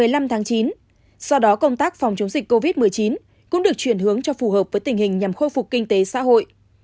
ngày sau đó công tác phòng chống dịch covid một mươi chín cũng được chuyển hướng cho phù hợp với tình hình nhằm khôi phục kinh tế xã hội